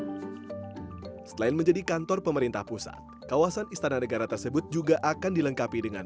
desain burung garuda untuk istana negara selain menjadi kantor pemerintah pusat kawasan istana negara tersebut juga akan dilengkapi dengan